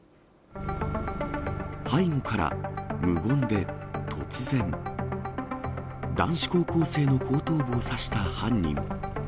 背後から無言で突然、男子高校生の後頭部を刺した犯人。